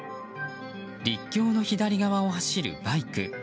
陸橋の左側を走るバイク。